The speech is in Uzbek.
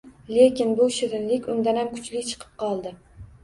Lekin bu shirinlik undanam kuchli chiqib qoldi.